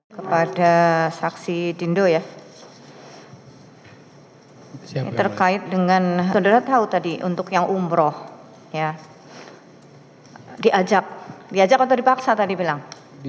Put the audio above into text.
kepada saksi dindo ya terkait dengan saudara tahu tadi untuk yang umroh ya diajak diajak atau dipaksa tadi bilang